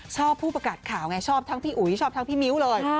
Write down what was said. ชอบพูดประกาศขาวไงชอบทางพี่อุ๋ยชอบพี่มิวเลย